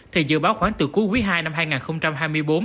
thì dự báo khoảng từ cuối quý ii năm hai nghìn hai mươi bốn